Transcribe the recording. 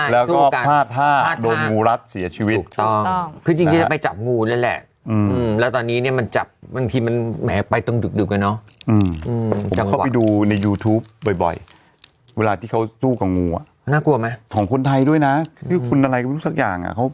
แล้วก็พลาดท่าโดนงูรัดเสียชีวิตถูกต้องคือจริงจริงจะจะไปจับงูแล้วแหละ